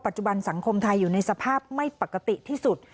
ปัจจุบันสังคมไทยอยู่ในสภาพไม่ปกติที่สุด